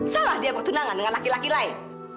salah dia bertunangan dengan laki laki lain